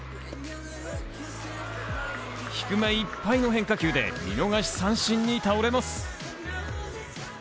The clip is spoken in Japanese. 低めいっぱいの変化球で見逃し三振に倒れます。